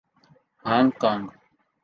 Hong Kong